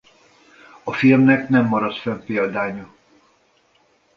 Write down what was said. A filmnek nem maradt fenn példánya.